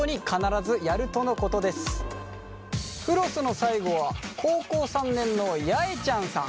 フロスの最後は高校３年のやえちゃんさん。